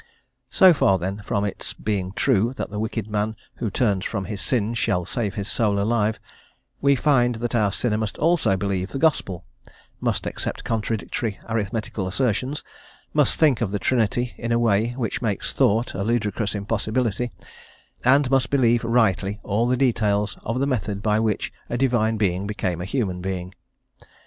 So far, then, from its being true that the wicked man who turns from his sins shall save his soul alive, we find that our sinner must also believe the Gospel, must accept contradictory arithmetical assertions, must think of the Trinity in a way which makes thought a ludicrous impossibility, and must believe rightly all the details of the method by which a Divine Being became a human being.